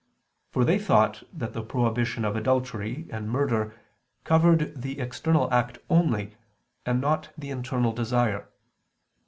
For they thought that the prohibition of adultery and murder covered the external act only, and not the internal desire.